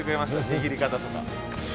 握り方とか。